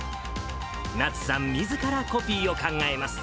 なつさん、みずからコピーを考えます。